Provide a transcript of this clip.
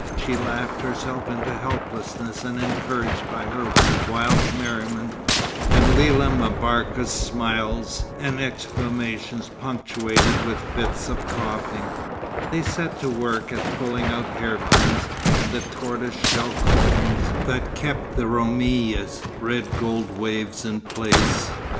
She laughed herself into helplessness, and encouraged by her wild merriment, and Lella M'Barka's smiles and exclamations punctuated with fits of coughing, they set to work at pulling out hairpins, and the tortoise shell combs that kept the Roumia's red gold waves in place.